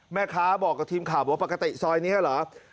แม่ค้าบอกกับทีมข่าวว่าปกติซอยนี้เหรอ